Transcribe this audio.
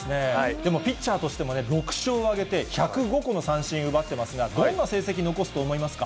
でもピッチャーとしても６勝を挙げて、１０５個の三振を奪ってますが、どんな成績残すと思いますか。